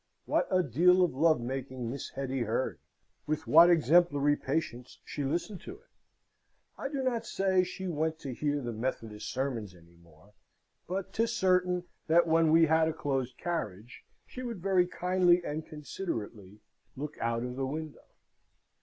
What a deal of love making Miss Hetty heard! with what exemplary patience she listened to it! I do not say she went to hear the Methodist sermons any more, but 'tis certain that when we had a closed carriage she would very kindly and considerately look out of the window.